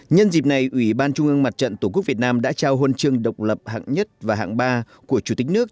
nhân dịp này ủy ban trung ương mặt trận tổ quốc việt nam đã trao huân chương độc lập hạng nhất và hạng ba của chủ tịch nước